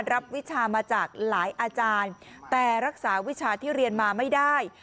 วิชามาจากหลายอาจารย์แต่รักษาวิชาที่เรียนมาไม่ได้